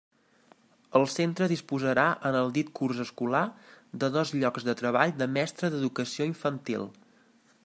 El centre disposarà, en el dit curs escolar, de dos llocs de treball de mestre d'Educació Infantil.